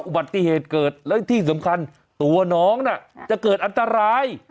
อุบัติเหตุเกิดและที่สำคัญตัวน้องน่ะจะเกิดอันตราย